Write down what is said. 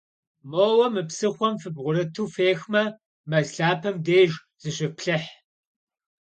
Моуэ мы псыхъуэм фыбгъурыту фехмэ, мэз лъапэм деж зыщыфплъыхь.